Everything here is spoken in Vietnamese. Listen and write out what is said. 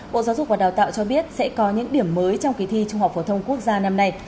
bộ giáo dục và đào tạo cho biết sẽ có những điểm mới trong kỳ thi trung học phổ thông quốc gia năm nay